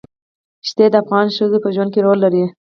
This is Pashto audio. ښتې د افغان ښځو په ژوند کې رول لري.